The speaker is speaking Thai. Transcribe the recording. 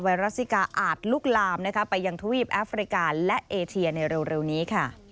ไรัสซิกาอาจลุกลามไปยังทวีปแอฟริกาและเอเชียในเร็วนี้ค่ะ